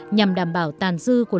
nhằm đảm bảo tàn dư của lực lượng